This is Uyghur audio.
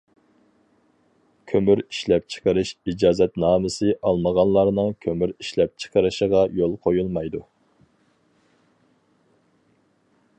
كۆمۈر ئىشلەپچىقىرىش ئىجازەتنامىسى ئالمىغانلارنىڭ كۆمۈر ئىشلەپچىقىرىشىغا يول قويۇلمايدۇ.